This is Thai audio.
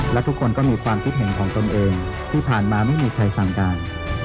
และทุกคนก็มีความคิดเห็นของตนเองที่ผ่านมาไม่มีใครสั่งการ